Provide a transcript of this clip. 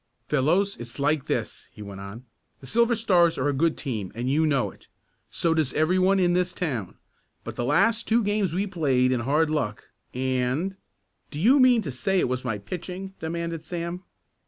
"Fellows, it's like this," he went on. "The Silver Stars are a good team and you know it. So does every one in this town, but the last two games we've played in hard luck, and " "Do you mean to say it was my pitching?" demanded Sam.